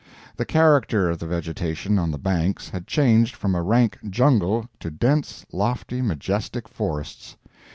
The character of the vegetation on the banks had changed from a rank jungle to dense, lofty, majestic forests.